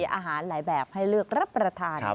อาหารหลายแบบให้เลือกรับประทาน